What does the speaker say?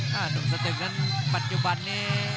หนุ่มสตึกนั้นปัจจุบันนี้